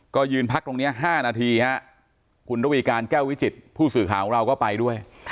ก็ยืนพักตรงนี้๕นาทีฮะคุณระวีการแก้ววิจิตผู้สื่อข่าวของเราก็ไปด้วย